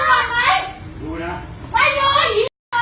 ช่วยด้วยค่ะส่วนสุด